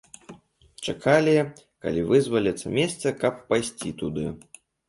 Чакалі, калі вызваліцца месца, каб пайсці туды.